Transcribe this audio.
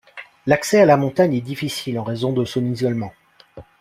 L'accès à la montagne est difficile en raison de son isolement.